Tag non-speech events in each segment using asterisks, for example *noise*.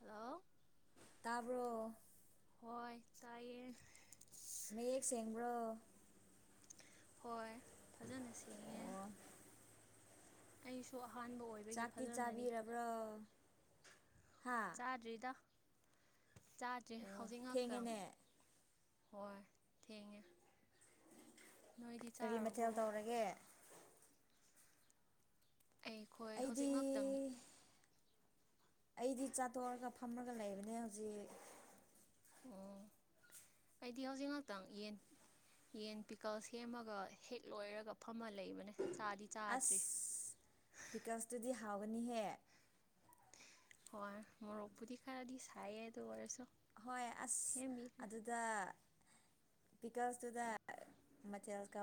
hello ꯇꯥꯕ꯭ꯔꯣ ꯍꯣꯏ ꯇꯥꯏꯌꯦ ꯃꯌꯦꯛ ꯁꯦꯡꯕ꯭ꯔꯣ ꯍꯣꯏ ꯐꯖꯅ ꯁꯦꯡꯉꯦ ꯑꯣ ꯑꯩꯁꯨ ꯑꯍꯥꯟꯕ ꯑꯣꯏꯕꯒꯤ ꯆꯥꯛꯇꯤ ꯐꯖꯅꯔꯤ ꯆꯥꯕꯤꯔꯕ꯭ꯔꯣ ꯍꯥ ꯆꯥꯔꯔꯤꯗ ꯆꯥꯗ꯭ꯔꯤ ꯑꯣ ꯍꯧꯖꯤꯛ ꯉꯥꯛꯇꯪ ꯊꯦꯡꯉꯦꯅꯦ ꯍꯣꯏ ꯊꯀ ꯀꯔꯤ ꯃꯊꯦꯜ ꯇꯧꯔꯒꯦ ꯑꯩꯈꯣꯏ ꯍꯧꯖꯤꯛ ꯑꯩꯗꯤ ꯉꯥꯛꯛꯇꯪꯑ ꯑꯩꯗꯤ ꯆꯥꯠꯇꯣꯛꯑꯒ ꯐꯝꯃꯒ ꯂꯩꯕꯅꯦ ꯍꯧꯖꯤꯛ ꯑꯣ ꯑꯩꯗꯤ ꯍꯧꯖꯤꯛ ꯉꯥꯛꯇꯪ ꯌꯦꯟ ꯌꯦꯟ ꯄꯤꯀꯜ ꯁꯦꯝꯃꯒ ꯍꯦꯛ ꯂꯣꯏꯔꯒ ꯐꯝꯃꯜꯂꯤ ꯆ ꯊꯥꯎꯒꯅꯤꯍꯦ ꯍ ꯃꯄꯨꯇ ꯈꯥꯗꯤ ꯁꯥꯏꯌꯦ ꯇꯣ ꯀꯁꯣ ꯍꯣꯏ ꯑꯁ ꯑꯗꯨꯗ ꯄꯤꯀꯜꯁꯇꯨꯗ ꯃꯊꯦꯜ ꯀ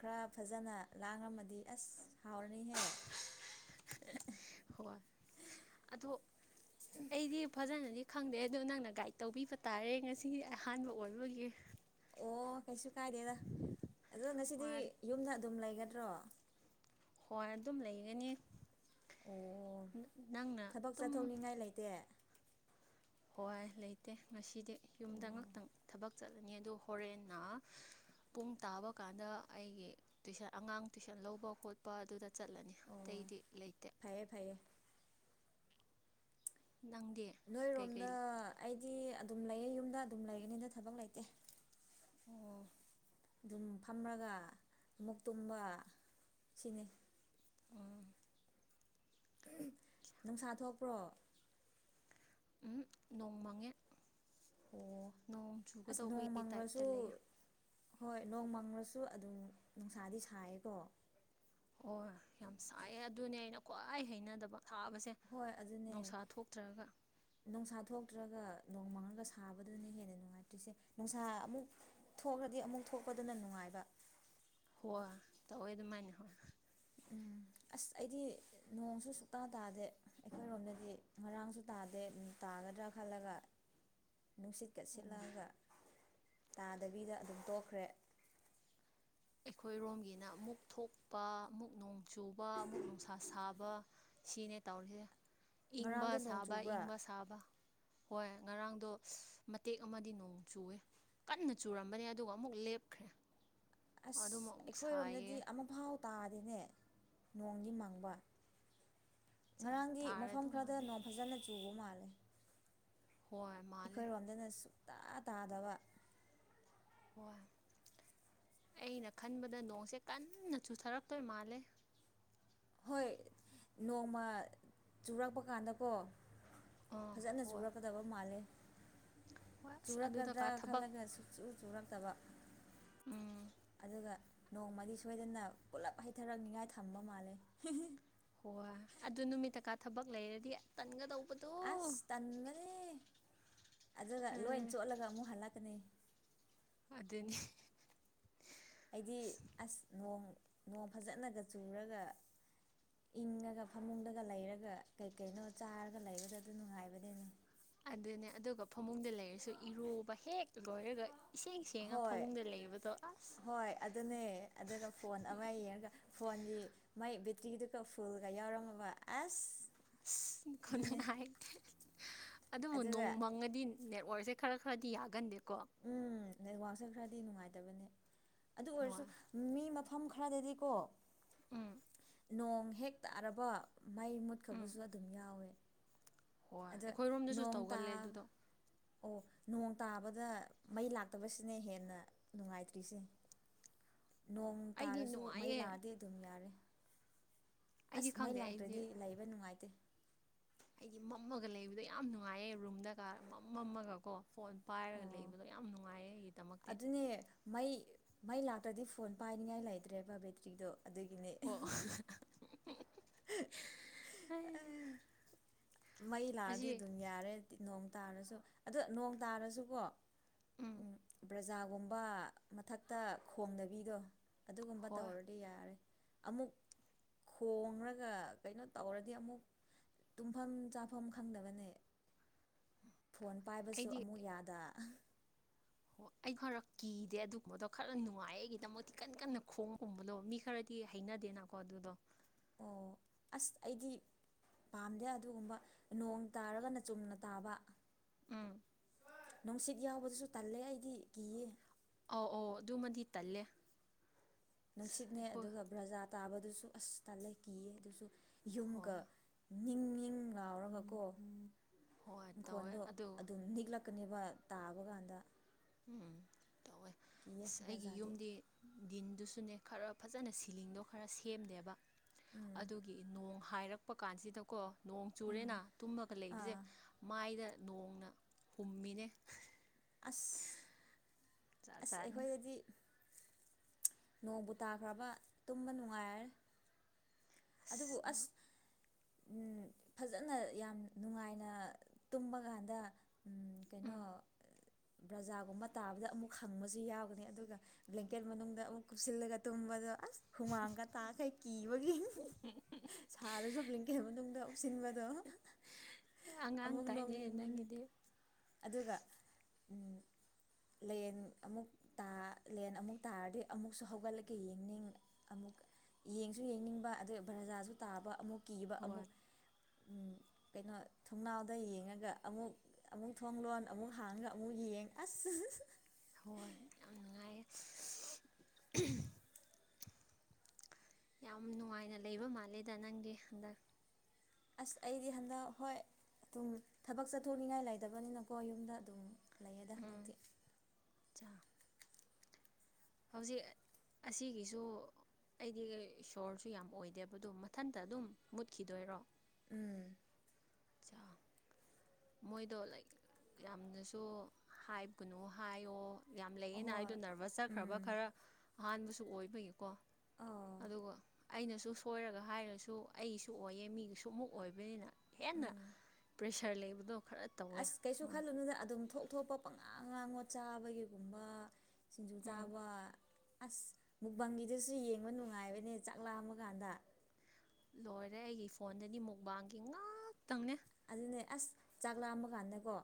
ꯈꯔ ꯐꯖꯅ ꯂꯥꯡꯝꯃꯗꯤ ꯑꯁ ꯍꯥꯎꯔꯅꯤꯍꯦ *inaudible* ꯍꯣꯏ ꯑꯗꯣ ꯑꯩꯗꯤ ꯐꯖꯅꯗꯤ ꯈꯪꯗꯦ ꯑꯗꯣ ꯅꯪꯅ ꯒꯥꯏꯗ ꯇꯧꯕꯤꯕ ꯇꯥꯔꯦ ꯉꯁꯤ ꯑꯍꯥꯟꯕ ꯑꯣꯏꯕꯒꯤ ꯑꯣ ꯀꯩꯁꯨ ꯀꯥꯏꯗꯦꯗ ꯑꯗꯣ ꯉꯁꯤꯗꯤ ꯍꯣꯏ ꯌꯨꯝꯗ ꯑꯗꯨꯝ ꯂꯩꯒꯗ꯭ꯔꯣ ꯍꯣꯏ ꯑꯗꯨꯝ ꯂꯩꯒꯅꯤ ꯑꯣ ꯅꯪꯅ ꯊꯕꯛ ꯑꯗꯨꯝ ꯆꯠꯊꯣꯛꯅꯤꯡꯉꯥꯏ ꯂꯩꯇꯦ ꯍꯣꯏ ꯂꯩꯇꯦ ꯉꯁꯤꯗꯤ ꯌꯨꯝꯗ ꯉꯥꯛꯇꯪ ꯊꯕꯛ ꯆꯠꯂꯅꯤ ꯑꯗꯨ ꯍꯣꯔꯦꯟꯅ ꯄꯨꯡ ꯇꯥꯕ ꯀꯥꯟꯗ ꯑꯩꯒꯤ ꯇꯨꯏꯁꯟ ꯑꯉꯥꯡ ꯇꯨꯏꯁꯟ ꯂꯧꯕ ꯈꯣꯠꯄ ꯑꯗꯨꯗ ꯆꯠꯂꯅꯤ ꯑꯣ ꯑꯇꯩꯗꯤ ꯂꯩꯇꯦ ꯐꯩꯌꯦ ꯐꯩꯌꯦ ꯅꯪꯗꯤ ꯅꯣꯏꯔꯣꯝꯗ ꯀꯩꯀꯩ ꯑꯩꯗꯤ ꯑꯗꯨꯝ ꯂꯩꯌꯦ ꯌꯨꯝꯗ ꯑꯗꯨꯝ ꯂꯩꯒꯅꯤꯗ ꯊꯕꯛ ꯂꯩꯇꯦ ꯑꯣ ꯑꯗꯨꯝ ꯐꯝꯃꯒ ꯑꯃꯨꯛ ꯇꯨꯝꯕ ꯁꯤꯅꯤ ꯎꯝ ꯅꯨꯡꯁꯥ ꯊꯣꯛꯄ꯭ꯔꯣ ꯎꯝ ꯅꯣꯡ ꯃꯥꯡꯉꯦ ꯑꯣ ꯑꯁ ꯇꯥꯏꯞꯇ ꯅꯣꯡꯃꯪꯒꯁꯨ ꯂꯩꯌꯦ ꯍꯣꯏ ꯅꯣꯡ ꯃꯪꯉꯁꯨ ꯑꯗꯨꯝ ꯅꯨꯡꯁꯥꯗꯤ ꯁꯥꯏꯌꯦꯀꯣ ꯍꯣꯏ ꯌꯥꯝ ꯁꯥꯏꯌꯦ ꯑꯗꯨꯅꯦ ꯑꯩꯅ ꯈ꯭ꯋꯥꯏ ꯍꯩꯅꯗꯕ ꯊꯥꯕꯁꯦ ꯍꯣꯏ ꯑꯗꯨꯅꯦ ꯅꯨꯡꯁꯥ ꯊꯣꯛꯇ꯭ꯔꯒ *inaudible* ꯑꯗꯨꯒ ꯁꯥꯕꯗꯨꯅ ꯍꯦꯟꯅ ꯅꯨꯡꯉꯥꯏꯇ꯭ꯔꯤꯁꯦ ꯅꯨꯡꯁꯥ ꯑꯃꯨꯛ ꯊꯣꯛꯈ꯭ꯔꯗꯤ ꯑꯃꯨꯛ ꯊꯣꯛꯄꯗꯨꯅ ꯅꯨꯡꯉꯥꯏꯕ ꯍ ꯇ ꯑꯣꯏꯣꯏꯗꯃꯥꯏꯅꯦ ꯍ ꯎꯝ ꯑꯁ ꯑꯩꯗꯤ ꯅꯣꯡꯁꯨ ꯁꯨꯛꯇꯥ ꯇꯥꯗꯦ ꯑꯩꯈꯣꯏꯔꯣꯝꯗꯗꯤ ꯉꯔꯥꯡꯁꯨ ꯇꯥꯗꯦ ꯀꯗ꯭ꯔ ꯈꯥꯂꯒꯥ *inaudible* ꯅꯨꯡꯁꯤꯠꯀꯠ ꯁꯤꯠꯂꯛꯑꯒ ꯇꯥꯗꯕꯤꯗ ꯑꯗꯨꯝ ꯇꯣꯛꯈ꯭ꯔꯦ ꯑꯩꯈꯣꯏꯔꯣꯝꯒꯤꯅ ꯑꯃꯨꯛ ꯊꯣꯛꯄ ꯑꯃꯨꯛ ꯅꯣꯡ ꯆꯨꯕ ꯑꯃꯨꯛ ꯅꯨꯡꯁꯥ ꯁꯥꯕ ꯁꯤꯅꯦ ꯇꯧꯔꯤꯁꯦ ꯏꯪꯕ ꯉꯔꯥꯡꯗꯣ ꯅꯣꯡ ꯁꯥꯕ ꯆꯨꯕ꯭ꯔꯥ ꯏꯪꯕ ꯁꯥꯕ ꯍꯣꯏ ꯉꯔꯥꯡꯗꯣ ꯃꯇꯦꯛ ꯑꯃꯗꯤ ꯅꯣꯡ ꯆꯨꯏꯦ ꯀꯟꯅ ꯆꯨꯔꯝꯕꯅꯦ ꯑꯗꯨꯒ ꯑꯃꯨꯛ ꯂꯦꯞꯈ꯭ꯔꯦ *inaudible* ꯑꯁ ꯑꯗꯨꯃ ꯑꯃꯨꯛ ꯁꯥꯏꯌꯦ ꯑꯩꯈꯣꯏꯔꯣꯝꯗꯗꯤ ꯑꯃꯐꯥꯎ ꯇꯥꯗꯤꯅꯦ ꯅꯣꯡꯗꯤ ꯃꯪꯕ ꯉꯔꯥꯡꯒꯤ ꯃꯐꯝ ꯇꯥꯔꯗꯧ ꯈꯔꯗ ꯃꯥꯜꯂꯦ ꯅꯣꯡ ꯐꯖꯅ ꯆꯨꯕ ꯃꯥꯜꯂꯦ ꯍꯣꯏ ꯃꯥꯂꯦ ꯇꯥ ꯇꯥꯗꯕ ꯋꯥꯋꯥ ꯑꯩꯅ ꯈꯟꯕꯗ ꯅꯣꯡꯁꯦ ꯀꯟꯅ ꯆꯨꯊꯔꯛꯇꯣꯏ ꯃꯥꯜꯂꯦ ꯍꯣꯏ ꯅꯣꯡꯃ ꯆꯨꯔꯛꯄ ꯀꯥꯟꯗꯀꯣ ꯑꯥ ꯐꯖꯅ ꯍꯣꯏ ꯆꯨꯔꯛꯀꯗꯕ ꯃꯥꯜꯂꯦ ꯍꯣꯏ ꯑꯁ ꯑꯗꯨꯗꯀꯥ ꯆꯨꯔꯛꯀꯗ꯭ꯔꯥ ꯊꯕꯛ ꯈꯜꯂꯒ ꯆ ꯆꯨꯔꯛꯇꯕ ꯎꯝ ꯑꯗꯨꯒ ꯅꯣꯡꯃꯗꯤ ꯁꯣꯏꯗꯅ ꯄꯨꯜꯂꯞ ꯍꯩꯊꯔꯛꯅꯤꯉꯥꯏ ꯊꯝꯕ ꯃꯥꯜꯂꯦ ꯍꯣꯏꯣꯏ ꯑꯗꯨ ꯅꯨꯃꯤꯠꯇꯀꯥ ꯊꯕꯛ ꯂꯩꯔꯗꯤ ꯇꯟꯒꯗꯧꯕ ꯑꯁ ꯇꯟꯕꯅꯦ ꯑꯗꯨꯒ ꯂꯣꯏꯅ ꯆꯣꯠꯂꯒ ꯑꯃꯨꯛ ꯍꯜꯂꯛꯀꯅꯤ ꯑꯗꯨꯅꯤ ꯑꯩꯗꯤ ꯑꯁ ꯅꯣꯡ ꯅꯣꯡ ꯐꯖꯅꯒ ꯆꯨꯔꯒ ꯏꯪꯉꯒ ꯐꯃꯨꯡꯗꯒ ꯂꯩꯔꯒ ꯀꯩ ꯀꯩꯅꯣ ꯆꯥꯔꯒ ꯂꯩꯕꯗ ꯑꯗꯨ ꯅꯨꯡꯉꯥꯏꯕꯗꯅꯦ ꯑꯗꯨꯅꯦ ꯑꯗꯨꯒ ꯐꯃꯨꯡꯗ ꯂꯩꯔꯁꯨ ꯏꯔꯨꯕ ꯍꯦꯛ ꯂꯣꯏꯔꯒ ꯏꯁꯦꯡ ꯁꯦꯡꯉ ꯍꯣꯏ ꯐꯃꯨꯡꯗ ꯂꯩꯕꯗꯣ ꯑꯁ ꯍꯡꯉꯒ ꯐꯣꯟꯒꯤ ꯃꯥꯏ ꯕꯦꯇ꯭ꯔꯤꯗꯨꯒ ꯐꯨꯜꯒ ꯌꯥꯎꯔꯝꯃꯕ ꯑꯁ ꯑꯁ ꯑꯗꯨꯅꯦ ꯈꯨꯅꯉꯥꯏ ꯑꯗꯨꯕꯨ ꯑꯗꯨꯒ ꯅꯣꯡꯃꯪꯒꯗꯤ ꯅꯦꯠꯋꯥꯔꯁ ꯁꯦ ꯈꯔ ꯈꯔꯗꯤ ꯌꯥꯒꯟꯗꯦꯀꯣ ꯄꯁꯛ ꯈꯔꯗꯤ ꯅꯨꯡꯉꯥꯏꯇꯕꯅꯦ ꯑꯗꯨ ꯑꯣꯏꯔꯁꯨ ꯍꯣꯏ ꯃꯤ ꯃꯐꯝ ꯈꯔꯗꯗꯤꯀꯣ ꯎꯝ ꯅꯣꯡ ꯍꯦꯛ ꯇꯥꯔꯕ ꯃꯩ ꯎꯝ ꯃꯨꯠꯈꯕꯁꯨ ꯑꯗꯨꯝ ꯌꯥꯎꯋꯦ ꯍꯣꯏ ꯑꯗ ꯑꯩꯈꯣꯏꯔꯣꯝꯗꯁꯨ ꯅꯣꯡ ꯇꯥ ꯇꯧꯒꯜꯂꯦ ꯑꯗꯨꯗꯣ ꯑꯣ ꯅꯣꯡ ꯇꯥꯕꯗ ꯃꯩ ꯂꯥꯛꯇꯕꯁꯤꯅ ꯍꯦꯟꯅ ꯅꯨꯡꯉꯥꯏꯇ꯭ꯔꯤꯁꯦ *inaudible* ꯅꯣꯡ ꯑꯩꯗꯤ ꯇꯥꯔꯁꯨ ꯃꯩ ꯅꯨꯡꯉꯥꯏꯌꯦ ꯂꯥꯛꯑꯗꯤ ꯑꯗꯨꯝ ꯌꯥꯔꯦ ꯑꯩꯗꯤ ꯑꯁ ꯃꯩ ꯈꯪꯗꯦ ꯑꯩꯗꯤ ꯂꯥꯛꯇ꯭ꯔꯗꯤ ꯂꯩꯕ ꯅꯨꯡꯉꯥꯏꯇꯦ ꯑꯩꯗꯤ ꯃꯝꯃꯒ ꯂꯩꯕꯗꯣ ꯌꯥꯝ ꯅꯨꯡꯉꯥꯏꯌꯦ ꯔꯨꯝꯗꯒ ꯃꯝ ꯃꯝꯃꯒꯀꯣ ꯐꯣꯟ ꯄꯥꯏꯔꯒ ꯑꯣ ꯂꯩꯕꯗꯣ ꯌꯥꯝ ꯅꯨꯡꯉꯥꯏꯌꯦ ꯑꯩꯒꯤꯗꯃꯛꯛꯇ ꯑꯗꯨꯅꯦ ꯃꯩ ꯃꯩ ꯂꯥꯛꯇ꯭ꯔꯗꯤ ꯐꯣꯟ ꯄꯥꯏꯅꯤꯡꯉꯥꯏ ꯂꯩꯇ꯭ꯔꯦꯕ ꯕꯦꯇ꯭ꯔꯤꯗꯣ ꯑꯗꯨꯒꯤꯅꯦ ꯑꯣ ꯃꯩ ꯂꯥꯛꯑꯗꯤ ꯑꯁꯤ ꯑꯗꯨꯝ ꯌꯥꯔꯦ ꯅꯣꯡ ꯇꯥꯔꯁꯨ ꯑ ꯅꯣꯡ ꯇꯥꯔꯁꯨꯀꯣ ꯎꯝ ꯄ꯭ꯔꯖꯥꯒꯨꯝꯕ ꯃꯊꯛꯇ ꯈꯣꯡꯗꯕꯤꯗꯣ ꯑꯗꯨꯒꯨꯝꯕ ꯍꯣꯏ ꯇꯧꯔꯗꯤ ꯌꯥꯔꯦ ꯑꯃꯨꯛ ꯈꯣꯡꯡꯂꯒ ꯀꯩꯅꯣ ꯇꯧꯔꯗꯤ ꯑꯃꯨꯛ ꯇꯨꯝꯐꯝ ꯆꯥꯐꯝ ꯈꯪꯗꯕꯅꯦ ꯐꯣꯟ ꯄꯥꯏꯕꯁꯨ ꯑꯃꯨꯛ ꯌꯥꯗ ꯍꯣꯏ ꯑꯩ ꯈꯔ ꯀꯤꯗꯦ ꯑꯗꯨꯒꯨꯝꯕꯗꯣ ꯈꯔ ꯅꯨꯡꯉꯥꯏ ꯑꯩꯒꯤꯗꯃꯛꯇꯗꯤ ꯀꯟ ꯀꯟꯅ ꯈꯣꯡꯒꯨꯝꯕꯗꯣ ꯃꯤ ꯈꯔꯗꯤ ꯍꯩꯅꯗꯦ ꯅꯀ ꯑꯗꯨꯣ ꯑꯣ ꯑꯁ ꯑꯩꯗꯤ ꯄꯥꯝꯗꯦ ꯑꯗꯨꯒꯨꯝꯕ ꯅꯣꯡ ꯇꯥꯔꯒꯅ ꯆꯨꯝꯅ ꯇꯥꯕ ꯎꯝ ꯅꯨꯡꯁꯤꯠ ꯌꯥꯎꯕꯗꯨꯁꯨ ꯇꯜꯂꯦ ꯑꯩꯗꯤ ꯀꯤꯌꯦ ꯑꯧ ꯑꯧ ꯑꯗꯨꯃꯗꯤ ꯇꯜꯂꯦ ꯑꯁ ꯅꯨꯡꯁꯤꯠꯅꯦ ꯑꯩꯈꯣꯏ ꯑꯗꯨꯒ ꯕ꯭ꯔꯖꯥ ꯇꯥꯕꯗꯨꯁꯨ ꯑꯁꯇꯂ ꯀꯤꯌꯦ ꯑꯗꯨꯁꯨ ꯌꯨꯝꯒ ꯍꯣꯏ ꯅꯤꯡ ꯏ ꯂꯥꯎꯔꯒꯀꯣ ꯍꯣꯏ ꯇꯧꯋꯦ ꯏꯪꯈꯣꯜꯗꯣ ꯑꯗꯨ ꯑꯗꯨꯝ ꯅꯤꯛꯂꯛꯀꯅꯦꯕ ꯇꯥꯕ ꯀꯥꯟꯗ ꯎꯝ ꯇꯧꯋꯦ ꯀꯤꯌꯦ ꯑꯁ ꯑꯩꯒꯤ ꯕ꯭ꯔꯖꯥꯗꯤ ꯌꯨꯝꯗꯤ ꯗꯤꯟꯗꯨꯁꯨꯅꯦ ꯈꯔ ꯐꯖꯅ ꯁꯤꯂꯤꯡꯗꯣ ꯈꯔ ꯁꯦꯝꯗꯦꯕ ꯎꯝ ꯑꯗꯨꯒꯤ ꯅꯣꯡ ꯍꯥꯏꯔꯛꯄ ꯀꯥꯟꯁꯤꯗꯀꯣ ꯅꯣꯡ ꯆꯨꯔꯦꯅ ꯇꯨꯝꯃꯒ ꯂꯩꯕꯁꯦ ꯑꯥ ꯃꯥꯏꯗ ꯅꯣꯡꯅ ꯍꯨꯝꯃꯤꯅꯦ ꯑꯁ ꯖꯥꯠ ꯑꯁ ꯖꯥꯠꯅꯤ ꯑꯩꯈꯣꯏꯗꯗꯤ ꯅꯣꯡꯕꯨ ꯇꯥꯈ꯭ꯔꯕ ꯇꯨꯝꯕ ꯅꯨꯡꯉꯥꯏꯔꯦ ꯑꯗꯨꯕꯨ ꯑꯁ ꯐꯖꯅ ꯌꯥꯝ ꯅꯨꯡꯉꯥꯏꯅ ꯇꯨꯝꯕ ꯀꯥꯟꯗ ꯀꯩꯅꯣ ꯎꯝ ꯕ꯭ꯔꯖꯥꯒꯨꯝꯕ ꯇꯥꯕꯗ ꯑꯃꯨꯛ ꯍꯪꯕꯁꯨ ꯌꯥꯎꯒꯅꯤ ꯑꯗꯨꯒ ꯕ꯭ꯂꯦꯡꯀꯦꯠ ꯃꯅꯨꯡꯗ ꯑꯃꯨꯛ ꯀꯨꯞꯁꯤꯜꯂꯒ ꯇꯨꯝꯕꯗ ꯑꯁ ꯍꯨꯃꯥꯡꯒ ꯇꯥꯈꯩ ꯀꯤꯕꯒꯤꯡ ꯁꯥꯔꯁꯨ ꯂꯩꯗ ꯇꯨꯡꯗ ꯁꯤꯅꯦꯃꯥꯗ ꯑꯉꯥꯡ ꯑꯃꯃꯨꯛ ꯅ ꯇꯥꯏꯅꯦ ꯃꯤ ꯃꯦ ꯅꯪꯒꯤꯗꯤ ꯑꯗꯨꯒ ꯂꯦꯟ ꯑꯃꯨ ꯂꯦꯟ ꯑꯃꯨꯛ ꯇꯥꯔꯗꯤ ꯑꯃꯨꯛꯁꯨ ꯍꯧꯒꯠꯂꯒꯦ ꯌꯦꯡꯅꯤꯡ ꯑꯃꯨꯛ ꯌꯦꯡꯁꯨ ꯌꯦꯡꯅꯤꯡꯕ ꯑꯗꯨꯒ ꯕ꯭ꯔꯖꯥꯁꯨ ꯇꯥꯕ ꯑꯃꯨꯛ ꯀꯤꯕ ꯍꯣꯏ ꯑꯃꯨꯛ *unintelligible* ꯀꯩꯅꯣ ꯊꯣꯡꯅꯥꯎꯗ ꯌꯦꯡꯉꯒ ꯑꯃꯨꯛ ꯑꯃꯨꯛ ꯊꯣꯡ ꯂꯂꯣꯟ ꯑꯃꯨꯛ ꯍꯥꯡꯉꯒ ꯑꯃꯨꯛ ꯌꯦꯡ ꯑꯁ ꯍꯣꯏ ꯌꯥꯝ ꯅꯨꯡꯉꯥꯏ ꯌꯥꯝ ꯅꯨꯡꯉꯥꯏꯅ ꯂꯩꯕ ꯃꯥꯜꯂꯦꯗ ꯅꯪꯒꯤ ꯍꯟꯗꯛ ꯑꯁ ꯑꯩꯗꯤ ꯍꯟꯗꯛ ꯍꯣꯏ ꯑꯗꯨꯝ ꯊꯕꯛ ꯆꯠꯊꯣꯛꯅꯤꯡꯉꯥꯏ ꯂꯩꯇꯕꯅꯤꯅꯀꯣ ꯌꯨꯝꯗ ꯑꯗꯨꯝ ꯂꯩꯥꯏꯗ ꯎꯝ ꯃꯇꯇ ꯆꯥ ꯍꯧꯖꯤꯛ ꯑꯁꯤꯒꯤꯁꯨ ꯑꯩꯗꯤ ꯏꯁꯣꯔꯁꯨ ꯌꯥꯝ ꯑꯣꯏꯗꯦꯕꯗꯣ ꯃꯊꯟꯇ ꯑꯗꯨꯝ ꯃꯨꯠꯈꯤꯗꯣꯏꯔꯣ ꯆꯥꯎ ꯃꯣꯏꯗꯣ ꯂꯥꯏꯛ ꯌꯥꯝꯅꯁꯨ ꯍꯥꯏꯒꯅꯨ ꯍꯥꯏꯌꯣ ꯌꯥꯝ ꯂꯩꯌꯦꯅ ꯑꯩꯗꯣ ꯑꯍꯣꯏ ꯅꯔꯚꯁ ꯆꯠꯈ꯭ꯔꯕ ꯎꯝ ꯈꯔ ꯑꯍꯥꯟꯕꯁꯨ ꯑꯣꯏꯕꯒꯤꯀꯣ ꯑꯧ ꯑꯗꯨꯒ ꯑꯩꯅꯁꯨ ꯁꯣꯏꯔꯒ ꯍꯥꯏꯔꯁꯨ ꯑꯩꯁꯨ ꯑꯣꯏꯌꯦ ꯃꯤꯒꯤꯁꯨ ꯑꯃꯨꯛ ꯑꯣꯏꯕꯅꯤꯅ ꯍꯦꯟꯅ ꯎꯝ ꯄ꯭ꯔꯦꯁꯔ ꯂꯩꯕꯗꯣ ꯈꯔ ꯇꯧꯋꯦ ꯑꯁ ꯀꯩꯁꯨ ꯈꯜꯂꯨꯅꯨꯗ ꯑꯗꯨꯝ ꯊꯣꯛ ꯊꯣꯛꯄ ꯄꯪꯉꯥꯡ ꯉꯥꯡꯉꯣ ꯆꯥꯕꯒꯤꯒꯨꯝꯕ ꯁꯤꯡꯖꯨ ꯎꯝ ꯆꯥꯕ ꯑꯁ ꯃꯨꯛꯕꯥꯪꯒꯤꯗꯨꯁꯨ ꯌꯦꯡꯕ ꯅꯨꯡꯉꯥꯏꯕꯅꯦ ꯆꯥꯛ ꯂꯥꯛꯑꯃ ꯀꯥꯟꯗ ꯂꯣꯏꯔꯦ ꯑꯩꯒꯤ ꯐꯣꯟꯗꯗꯤ ꯃꯨꯛꯕꯥꯡꯒꯤ ꯉꯥꯛꯇꯪꯅꯦ ꯑꯗꯨꯅꯦ ꯑꯁ ꯆꯥꯛ ꯂꯥꯑꯝꯕ ꯀꯥꯟꯗꯀꯣ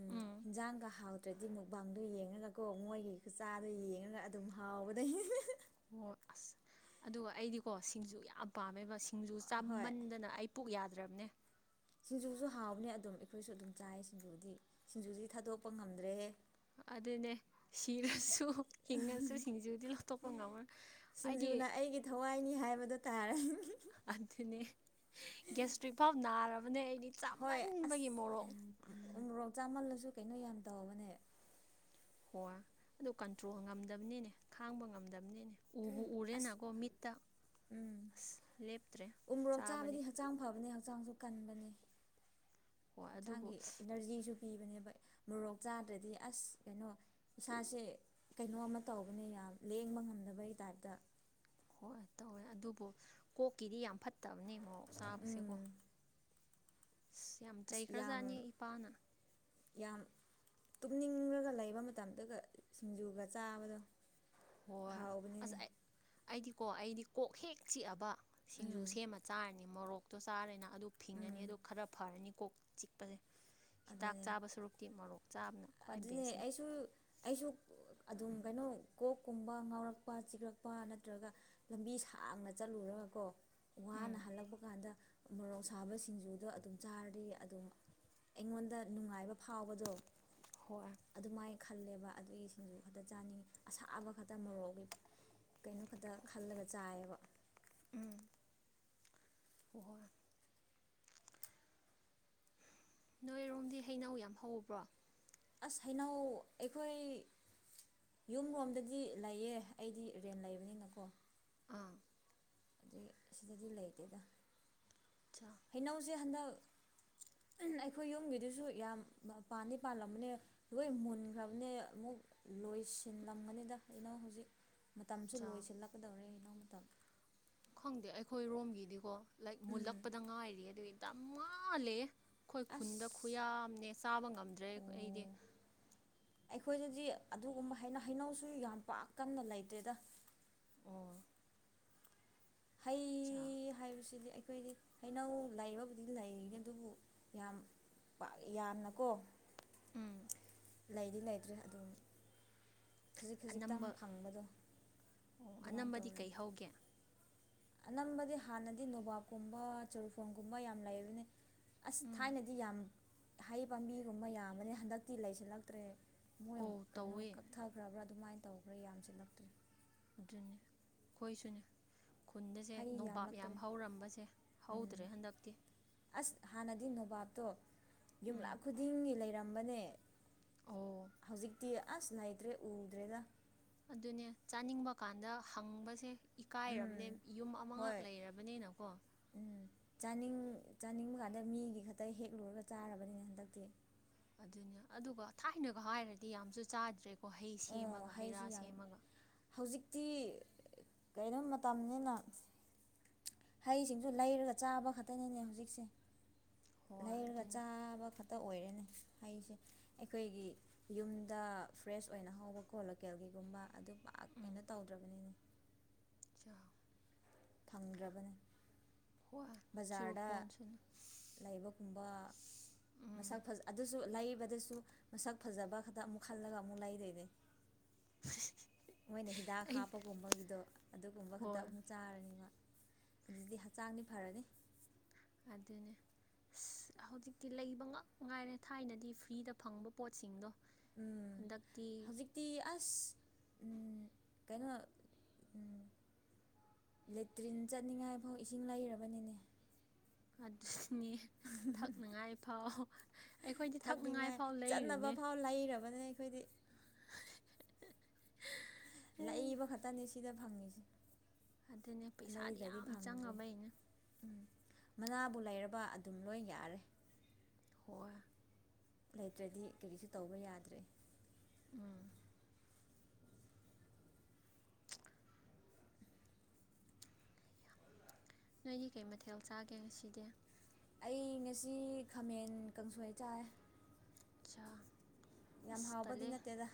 ꯎ ꯎꯝ ꯍꯟꯖꯥꯡꯒ ꯍꯥꯎꯗ꯭ꯔꯗꯤ ꯃꯨꯛꯕꯥꯥꯡꯗꯣ ꯌꯦꯡꯉꯒꯀꯣ ꯃꯣꯏꯒꯤꯒ ꯆꯥꯗꯣ ꯌꯦꯡꯉꯒ ꯑꯗꯨꯝ ꯍꯥꯎꯋ ꯇꯕꯗ ꯑꯣ ꯑꯁ ꯑꯗꯨꯒ ꯑꯩꯗꯤꯀꯣ ꯁꯤꯡꯖꯨ ꯌꯥꯝ ꯄꯥꯝꯃꯦꯕ ꯁꯤꯡꯖꯨ ꯍꯣꯏ ꯆꯥꯃꯟꯗꯅ ꯑꯩ ꯄꯨꯛ ꯌꯥꯗ꯭ꯔꯕꯅꯦ ꯁꯤꯡꯖꯨꯁꯨ ꯍꯥꯎꯕꯅꯦ ꯑꯗꯨꯝ ꯑꯩꯈꯣꯏꯁꯨ ꯑꯗꯨꯝ ꯆꯥꯏ ꯁꯤꯡꯖꯨꯗꯤ ꯁꯤꯡꯖꯨꯁꯤ ꯊꯥꯗꯣꯛꯄ ꯉꯝꯗ꯭ꯔꯦ ꯑꯗꯨꯗꯅꯦ ꯁꯤꯔꯁꯨ ꯍꯤꯡꯉꯁꯨ ꯁꯤꯡꯖꯨ ꯕꯨꯗꯤ ꯂꯧꯊꯣꯛꯄ ꯉꯝꯃꯣꯏ ꯑꯩꯗꯤ ꯁꯤꯡꯖꯨꯅ ꯑꯩꯒꯤ ꯊꯋꯥꯏꯅꯤ ꯍꯥꯏꯕꯗꯣ ꯇꯥꯔꯦ ꯑꯗꯨꯅꯦ ꯒꯌ꯭ꯥ ꯁꯇ꯭ꯔꯤꯛ ꯐꯥꯑꯣ ꯅꯔꯕ ꯍꯣꯏ ꯑꯁ ꯎꯃꯣ ꯔꯣꯛ ꯆꯥꯃꯜꯂꯁꯨ ꯀꯩꯅꯣ ꯌꯥꯝ ꯇꯧꯕꯅꯦ ꯍꯣꯏ ꯑꯗꯨ ꯀꯟꯇ꯭ꯔꯣꯜ ꯉꯝꯗꯕꯅꯤꯅꯦ ꯈꯥꯡꯕ ꯉꯝꯗꯕꯅꯤꯅꯦ ꯎꯕꯨ ꯑꯁ ꯎꯔꯦꯅꯀꯣ ꯃꯤꯇꯥ ꯎꯝ ꯎꯃꯣ ꯔꯣꯛ ꯆꯥꯕꯗꯤ ꯍꯛꯆꯥꯡ ꯐꯕꯅꯤ ꯍꯛꯆꯥꯡꯁꯨ ꯀꯟꯕꯅꯦ ꯍꯣꯏ ꯑꯗꯨꯕꯨ ꯆꯥꯡꯒꯤ ꯏꯅꯔꯖꯤꯁꯨ ꯄꯤꯕꯅꯦꯕ *unintelligible* ꯃꯣꯔꯣꯛ ꯆꯥꯗ꯭ꯔꯗꯤ ꯑꯁ ꯀꯩꯅꯣ ꯏꯁꯥꯁꯦ ꯀꯩꯅꯣ ꯑꯃ ꯇꯧꯕꯅꯦ ꯌꯥꯝ ꯂꯦꯡꯕ ꯉꯝꯗꯕꯒꯤ ꯇꯥꯏꯞꯇ ꯍꯣꯏ ꯇꯧꯋꯦ ꯑꯗꯨꯕꯨ ꯀꯣꯛꯀꯤꯗꯤ ꯌꯥꯝ ꯐꯠꯇꯕꯅꯦ ꯃꯣꯔꯣꯛ ꯎꯝ ꯆꯥꯕꯁꯦꯀꯣ ꯑꯁ ꯌꯥꯝ ꯑꯁ ꯌꯥꯝ ꯆꯩꯈ꯭ꯔꯖꯥꯠꯅꯤ ꯏꯄꯥꯅ ꯌꯥꯝ ꯇꯨꯝꯅꯤꯡꯔꯒ ꯂꯩꯕ ꯃꯇꯝꯗꯨꯒ ꯁꯤꯡꯖꯨꯒ ꯆꯥꯕꯗꯣ ꯍꯣꯏ ꯍꯥꯎꯕꯅꯤꯅꯦ ꯑꯁ ꯑꯩꯗꯤꯀꯣ ꯑꯩꯗꯤ ꯀꯣꯛ ꯍꯦꯛ ꯆꯤꯛꯑꯕ ꯁꯤꯡꯖꯨ ꯎꯝ ꯁꯦꯝꯃ ꯆꯥꯔꯅꯤ ꯃꯣꯔꯣꯛꯇꯣ ꯆꯥꯔꯦꯅ ꯑꯗꯨ ꯐꯤꯡꯉꯅꯤ ꯎꯝ ꯑꯗꯨ ꯈꯔ ꯐꯔꯅꯤ ꯀꯣꯛ ꯆꯤꯛꯄꯁꯦ ꯍꯤꯗꯥꯛ ꯑꯗꯨꯅꯦ ꯆꯥꯕ ꯁꯔꯨꯛꯇꯤ ꯃꯔꯔꯣꯛ ꯑꯗꯨꯅꯦ ꯑꯩꯁꯨ ꯑꯩꯁꯨ ꯑꯗꯨꯝ ꯀꯩꯅꯣ ꯀꯣꯛꯀꯨꯝꯕ ꯉꯥꯎꯔꯛꯄ ꯆꯤꯛꯂꯛꯄ ꯅꯠꯇ꯭ꯔꯒ ꯂꯝꯕꯤ ꯁꯥꯡꯅ ꯆꯠꯂꯔꯕ ꯀꯣ ꯋꯥꯅ ꯎꯝ ꯍꯜꯂꯛꯄ ꯀꯥꯟꯗ ꯃꯣꯔꯣꯛ ꯁꯥꯕ ꯁꯤꯡꯖꯨꯗ ꯑꯗꯨꯝ ꯆꯥꯔꯤ ꯑꯗꯨꯝ ꯑꯩꯉꯣꯟꯗ ꯅꯨꯡꯉꯥꯏꯕ ꯐꯥꯎꯕꯗꯣ ꯍꯣ ꯏ ꯑꯗꯨꯃꯥꯏꯅ ꯈꯜꯂꯦꯕ ꯑꯗꯨꯒꯤ ꯁꯤꯡꯖꯨ ꯈꯛꯇ ꯆꯥꯅꯤꯡꯉꯤ ꯑꯁꯥꯕ ꯈꯛꯇ ꯃꯣꯔꯣꯛꯒꯤ ꯀꯩꯅꯣ ꯈꯛꯇ ꯈꯜꯂꯒ ꯆꯥꯏꯌꯦꯕ ꯍꯍꯣꯏ ꯅꯣꯏꯔꯣꯝꯗꯤ ꯍꯩꯅꯧ ꯌꯥꯝ ꯍꯧꯕ꯭ꯔꯣ ꯑꯁ ꯍꯩꯅꯧ ꯑꯩꯈꯣꯏ ꯌꯨꯝꯂꯣꯝꯗꯗꯤ ꯂꯩꯌꯦ ꯑꯩꯗꯤ ꯔꯦꯟ ꯂꯩꯕꯅꯤꯅꯀꯣ ꯑꯥ ꯑꯗꯨ ꯁꯤꯗꯗꯤ ꯂꯩꯇꯦꯗ ꯑꯆꯥ ꯍꯩꯅꯧꯁꯦ ꯍꯟꯗꯛ ꯑꯩꯈꯣꯏ ꯌꯨꯝꯒꯤꯗꯨꯁꯨ ꯌꯥꯝ ꯄꯥꯟꯗꯤ ꯄꯥꯜꯂꯝꯕꯅꯦ ꯂꯣꯏ ꯃꯨꯟꯈ꯭ꯔꯕꯅꯦ ꯑꯃꯨꯛ ꯂꯣꯏꯁꯤꯜꯂꯝꯒꯅꯤꯗ ꯑꯩꯅ ꯍꯧꯖꯤꯛ ꯃꯇꯝꯁꯨ ꯑꯆꯥ ꯂꯣꯏꯁꯤꯜꯂꯛꯀꯗꯧꯔꯦ ꯏꯅꯥꯎ ꯃꯇꯝ ꯈꯪꯗꯦ ꯑꯩꯈꯣꯏ ꯔꯣꯝꯒꯤꯗꯤꯀꯣ ꯂꯥꯏꯛ ꯎꯝ ꯃꯨꯜꯂꯛꯄꯗ ꯉꯥꯏꯔꯤ ꯑꯗꯨ ꯌꯥꯝ ꯃꯥꯥꯜꯂꯦ ꯑꯩꯈꯣꯏ ꯑꯁ ꯈꯨꯟꯗ ꯈꯨꯌꯥꯝꯅꯦ ꯆꯥꯕ ꯉꯝꯗ꯭ꯔꯦ ꯑꯩꯗꯤ ꯑꯣ ꯑꯩꯈꯣꯏꯗꯗꯤ ꯑꯗꯨꯒꯨꯝꯕꯩꯅ ꯍꯩꯅꯧꯁꯨ ꯌꯥꯝ ꯄꯥꯛ ꯀꯟꯅ ꯂꯩꯇ꯭ꯔꯦꯗ ꯆ ꯁꯤꯗꯤ ꯑꯩꯈꯣꯏꯗꯤ ꯍꯩꯅꯧ ꯂꯩꯕꯕꯨꯗꯤ ꯂꯩꯦ ꯑꯗꯨꯕꯨ ꯌꯥꯝ ꯌꯥꯝꯅꯀꯣ ꯎꯝ ꯂꯩꯗꯤ ꯂꯩꯇ꯭ꯔꯦ ꯑꯗꯨꯝ ꯈꯖꯤꯛ ꯈꯖꯤꯛꯇꯪ ꯑꯅꯝꯕ ꯐꯪꯕꯗꯣ ꯑꯣ ꯑꯗꯨꯃꯥꯏꯅ ꯑꯅꯝꯕꯗꯤ ꯇꯧꯔꯦ ꯀꯩ ꯍꯧꯒꯦ ꯑꯅꯝꯕꯗꯤ ꯍꯥꯟꯅꯗꯤ ꯅꯣꯕꯥꯞꯀꯨꯝꯕ ꯆꯨꯔꯨꯐꯣꯡꯒꯨꯝꯕ ꯌꯥꯝ ꯂꯩꯕꯅꯤ ꯑꯁ ꯎꯝ ꯊꯥꯏꯅꯗꯤ ꯌꯥꯝ ꯍꯩ ꯄꯥꯝꯕꯤꯒꯨꯝꯕ ꯌꯥꯝꯕꯅꯦ ꯍꯟꯗꯛꯇꯤ ꯂꯩꯁꯤꯜꯂꯛꯇ꯭ꯔꯦ ꯃꯣꯏ ꯑꯣ ꯀꯩꯅꯣ ꯇꯧꯋꯦ ꯀꯛꯊꯈ꯭ꯔꯕ꯭ꯔꯥ ꯑꯗꯨꯃꯥꯏꯅ ꯇꯧꯈ꯭ꯔꯥ ꯌꯥꯝꯁꯤꯜꯂꯛꯇ꯭ꯔꯔꯤ ꯍꯣꯏꯁꯨꯅꯦ ꯈꯨꯟꯗꯁꯦ ꯍꯩ ꯅꯣꯕꯥꯞ ꯌꯥꯝꯂꯛꯇ꯭ꯔꯦ ꯌꯥꯝ ꯍꯧꯔꯝꯕꯁꯦ ꯎꯝ ꯍꯧꯗ꯭ꯔꯦ ꯍꯟꯗꯛꯇꯤ ꯑꯁ ꯍꯥꯟꯅꯗꯤ ꯅꯣꯕꯥꯞꯇꯣ ꯌꯨꯝꯂꯥ ꯎꯝ ꯈꯨꯗꯤꯡꯒꯤ ꯂꯩꯔꯝꯕꯅꯦ ꯑꯣ ꯍꯧꯖꯤꯛꯇꯤ ꯑꯁ ꯂꯩꯅꯥꯇ꯭ꯔꯦ ꯎꯗ꯭ꯔꯦꯗ ꯑꯗꯨꯅꯦ ꯆꯥꯅꯤꯡꯕ ꯀꯥꯟꯗ ꯍꯪꯕꯁꯦ ꯎꯝ ꯏꯀꯥꯏꯔꯕꯅꯦ ꯌꯨꯝ ꯑꯃꯈꯛ ꯍꯣꯏ ꯂꯩꯔꯕꯅꯤꯅꯀꯣ ꯎꯝ ꯆꯥꯅꯤꯡ ꯆꯥꯅꯤꯡꯕ ꯀꯥꯟꯗ ꯃꯤꯒꯤ ꯈꯛꯇ ꯍꯦꯛꯂꯨꯔꯒ ꯆꯥꯔꯕꯅꯤꯅꯦ ꯍꯟꯗꯛꯇꯤ ꯑꯗꯨꯅꯦ ꯑꯗꯨꯒ ꯊꯥꯏꯅꯒ ꯍꯥꯏꯔꯗꯤ ꯌꯥꯝꯁꯨ ꯆꯥꯗ꯭ꯔꯦ ꯑꯣ ꯍꯥꯏꯁꯤ ꯌꯥꯝ ꯍꯧꯖꯤꯛꯇꯤ ꯀꯔꯤꯣ ꯃꯇꯝꯅꯤꯅ ꯍꯩꯁꯤꯡꯁꯨ ꯂꯩꯔꯒ ꯆꯥꯕ ꯈꯛꯇꯅꯤꯅꯦ ꯍꯧꯖꯤꯛꯁꯦ ꯍꯣꯏ ꯂꯩꯔꯒ ꯑꯗꯨꯅ ꯆꯥꯕ ꯈ ꯑꯃ ꯇ ꯑꯣꯏꯔꯦꯅꯦ ꯍꯁꯦ ꯑꯩꯈꯣꯏꯒꯤ ꯌꯨꯝꯗ ꯐ꯭ꯔꯦꯁ ꯑꯣꯏꯅ ꯍꯧꯕꯀꯣ ꯂꯣꯀꯦꯜꯒꯤꯒꯨꯝꯕ ꯑꯗꯨ ꯄꯥꯛ ꯀꯩꯅ ꯇꯧꯗ꯭ꯔꯕꯅꯤꯅ ꯆꯥꯎ ꯐꯪꯗ꯭ꯔꯕꯅꯤ ꯍꯣꯏ ꯕꯖꯥꯔꯗ ꯆꯨꯔꯨꯐꯣꯟꯁꯨꯅꯤ ꯂꯩꯕꯒꯨꯝꯕ *inaudible* ꯃꯁꯛ ꯑꯗꯨꯁꯨ ꯂꯩꯕꯗꯁꯨ ꯃꯁꯛ ꯐꯖꯕ ꯈꯛꯇ ꯑꯃꯨꯛ ꯈꯜꯂꯒ ꯑꯃꯨꯛ ꯂꯩꯗꯣꯏꯅꯦ *inaudible* ꯃꯣꯏꯅ ꯍꯤꯗꯥꯛ ꯑꯩ ꯍꯥꯞꯄꯒꯨꯝꯕꯒꯤꯗꯣ ꯑꯗꯨꯒꯨꯝꯕ ꯈꯛꯇ ꯍꯣꯏ ꯑꯃꯨꯛ ꯆꯥꯔꯅꯤꯕ ꯑꯗꯨꯗꯤ ꯍꯛꯆꯥꯡꯗꯤ ꯐꯔꯅꯤ ꯑꯗꯨꯅꯦ ꯑꯁ ꯍꯧꯖꯤꯛꯇꯤ ꯂꯩꯕ ꯉꯛ ꯉꯥꯏꯔꯦ ꯊꯥꯏꯅꯗꯤ ꯐ꯭ꯔꯤꯗ ꯐꯪꯕ ꯄꯣꯠꯁꯤꯡꯗꯣ ꯎꯝ ꯥꯛꯄꯤ ꯎ ꯀꯩꯅꯣ ꯎ ꯂꯦꯇ꯭ꯔꯤꯟ ꯆꯠꯅꯤꯡꯉꯥꯏꯐꯥꯎ ꯏꯁꯤꯡ ꯂꯩꯔꯕꯅꯤꯅꯦ ꯑꯗꯨꯅꯤ ꯊꯛꯅꯉꯥꯏ ꯐꯥꯎ ꯑꯩꯈꯣꯏꯗꯤ ꯊꯛꯅꯉꯥꯏ ꯊꯛꯅꯤꯡꯉꯥꯏ ꯐꯥꯎ ꯆꯠꯅꯕ ꯂꯩꯔꯤꯅꯦ *inaudible* ꯐꯥꯎ ꯂꯩꯔꯕꯅꯦ ꯑꯩꯈꯣꯏꯗꯤ ꯑꯦ ꯑꯗꯨꯅꯦ ꯄꯩꯁꯥꯗꯤ ꯌꯥꯝ ꯂꯩꯥꯏꯗꯗꯤꯚꯪ꯭ꯔꯦ ꯆꯪꯉꯕꯩꯅꯦ ꯎꯝ ꯃꯅꯥꯕꯨ ꯂꯩꯔꯕ ꯑꯗꯨꯝ ꯂꯣꯏ ꯌꯥꯔꯦ ꯍꯣꯏ ꯂꯩꯇ꯭ꯔꯗꯤ ꯀꯔꯤꯁꯨ ꯇꯧꯕ ꯌꯥꯗ꯭ꯔꯦ ꯎꯝ ꯅꯣꯏꯗꯤ ꯀꯩ ꯃꯊꯦꯜ ꯆꯥꯒꯦ ꯉꯁꯤꯗꯤ ꯑꯩ ꯉꯁꯤ ꯈꯥꯃꯦꯟ ꯀꯥꯡꯁꯣꯏ ꯆꯥꯏ ꯑꯆꯥ ꯌꯥꯝ ꯑꯁ ꯍꯥꯎꯕꯗꯤ ꯇꯜꯂꯦ ꯅꯠꯇꯦꯗ